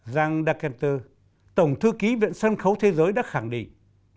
jean d arcante tổng thư ký viện sân khấu thế giới đã khẳng định